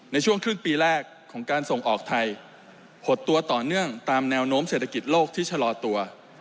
ในช่วงครึ่งปีแรกของการส่งออกไทยหดตัวต่อเนื่องตามแนวโน้มเศรษฐกิจโลกที่ชะลอตัว